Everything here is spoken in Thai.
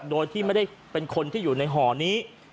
โดยที่ไม่ได้เป็นคนที่อยู่ในห่อนี้